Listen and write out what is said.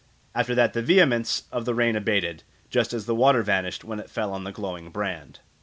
After that the vehemence of the rain abated, just as the water vanished when it fell on the glowing brand.